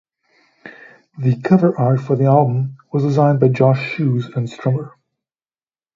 The cover-art for the album was designed by Josh Shoes and Strummer.